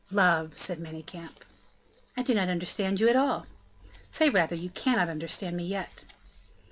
"Love," said Manicamp. "I do not understand you at all." "Say rather, you cannot understand me yet."